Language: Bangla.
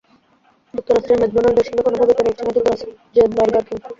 যুক্তরাষ্ট্রের ম্যাকডোনাল্ডের সঙ্গে কোনোভাবেই পেরে উঠছে না যুক্তরাজ্যের বার্গার কিং।